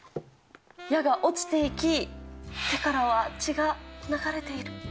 矢が落ちていき、手からは血が流れている。